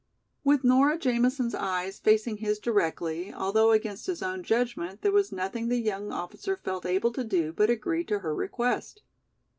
With Nora Jamison's eyes facing his directly, although against his own judgment, there was nothing the young officer felt able to do but agree to her request.